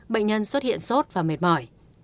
bệnh nhân xuất hiện sốt và mệt mỏi